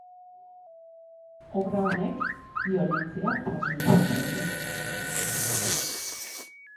Obra honek biolentzia transmititzen du.